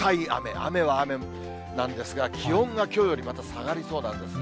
雨は雨なんですが、気温がきょうよりまた下がりそうなんですね。